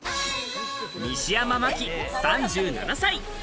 西山茉希、３７歳。